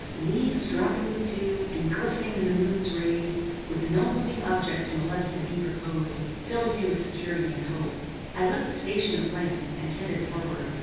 Leaves dropping with dew, and glistening in the moon's rays, with no moving object to molest the deep repose, filled me with security and hope. I left the station at length, and tended forward.